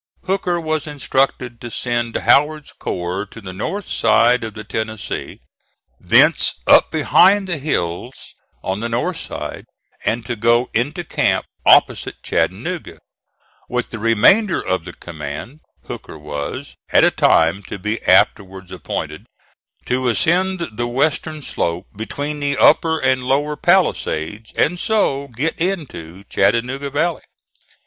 Hooker was instructed to send Howard's corps to the north side of the Tennessee, thence up behind the hills on the north side, and to go into camp opposite Chattanooga; with the remainder of the command, Hooker was, at a time to be afterwards appointed, to ascend the western slope between the upper and lower palisades, and so get into Chattanooga valley.